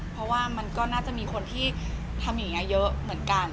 เพราะว่ามันก็น่าจะมีคนที่ทำอย่างนี้เยอะเหมือนกัน